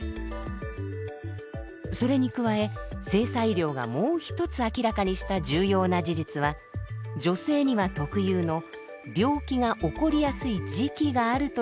それに加え性差医療がもう一つ明らかにした重要な事実は女性には特有の「病気が起こりやすい時期」があるということなんです。